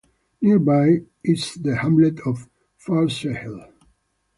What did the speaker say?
Nearby is the hamlet of Furzehill.